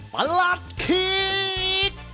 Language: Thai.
ปลัดคิก